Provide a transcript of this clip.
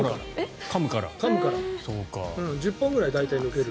１０本ぐらいは抜けてる。